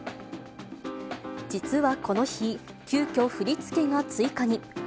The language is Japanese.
実はこの日、急きょ、振り付けが追加に。